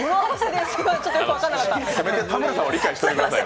せめて田村さんは理解しておいてくださいよ。